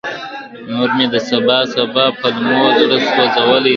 نور مي د سبا سبا پلمو زړه سولولی دی !.